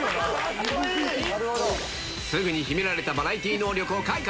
すぐに秘められたバラエティー能力を開花。